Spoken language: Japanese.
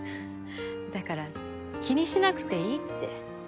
だから気にしなくていいって。